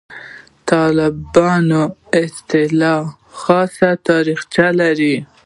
«طالبان» اصطلاح خاصه تاریخچه لري.